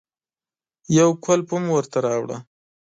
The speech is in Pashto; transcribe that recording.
يو کولپ هم ورته راوړه.